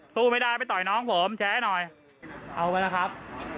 สู้ไม่ได้ไปต่อยน้องผมแชร์ให้หน่อยเอาไว้นะครับ